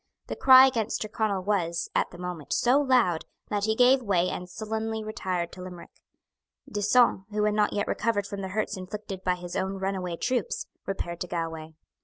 The cry against Tyrconnel was, at the moment, so loud, that he gave way and sullenly retired to Limerick. D'Usson, who had not yet recovered from the hurts inflicted by his own runaway troops, repaired to Galway.